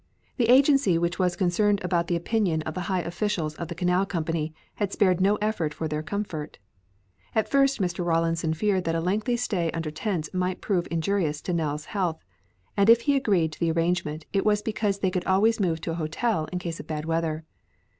The agency which was concerned about the opinion of the high officials of the Canal Company had spared no effort for their comfort. At first Mr. Rawlinson feared that a lengthy stay under tents might prove injurious to Nell's health, and if he agreed to the arrangement, it was because they could always move to a hotel in case of bad weather.